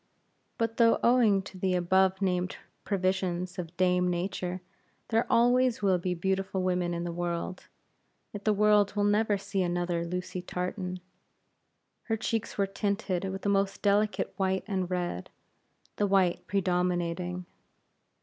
But though owing to the above named provisions of dame Nature, there always will be beautiful women in the world; yet the world will never see another Lucy Tartan. Her cheeks were tinted with the most delicate white and red, the white predominating.